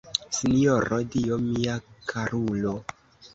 Sinjoro Dio, mia karulo!